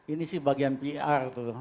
ini sih bagian pr tuh